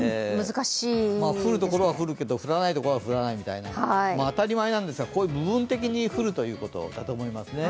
降るところは降るけど降らないところは降らないみたいな、こういう部分的に降るということだと思いますね。